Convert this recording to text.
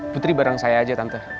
putri bareng saya aja tante